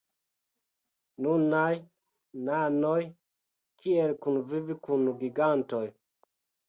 Nunaj nanoj: kiel kunvivi kun giganto?